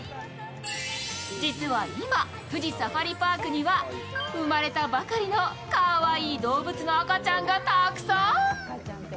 実は今、富士サファリパークには生まれたばかりのかわいい動物の赤ちゃんがたくさん。